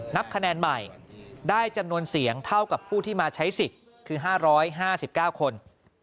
นับคะแนนใหม่ได้จำนวนเสียงเท่ากับผู้ที่มาใช้สิทธิ์คือ๕๕๙คน